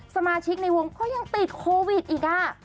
สมาชิกในวงก็ยังติดโควิดอีกอ่ะ